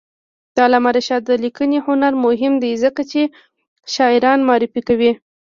د علامه رشاد لیکنی هنر مهم دی ځکه چې شاعران معرفي کوي.